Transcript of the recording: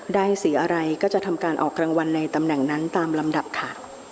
สีอะไรก็จะทำการออกรางวัลในตำแหน่งนั้นตามลำดับค่ะ